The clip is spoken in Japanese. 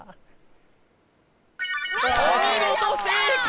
お見事正解！